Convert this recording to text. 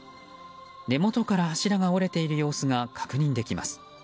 根元から柱が折れている様子が確認できます。